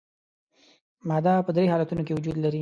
ماده په درې حالتونو کې وجود لري.